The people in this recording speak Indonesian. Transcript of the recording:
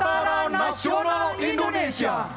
bersama dengan dari indonesia